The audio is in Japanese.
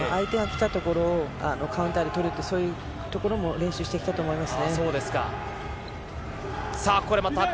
相手が入ってきたところをカウンターで取るところも練習してきたと思います。